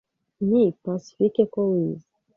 nti Pacifique ko wize,